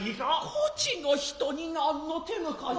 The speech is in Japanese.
こちの人に何の手向かひ。